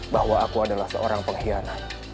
bahwa aku adalah seorang pengkhianat